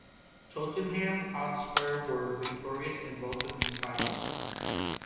Tottenham Hotspur were victorious in both of these finals.